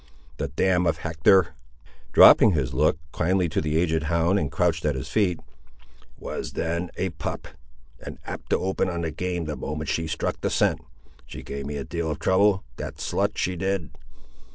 The dam of Hector," dropping his look kindly to the aged hound that crouched at his feet, "was then a pup, and apt to open on the game the moment she struck the scent. She gave me a deal of trouble, that slut, she did!"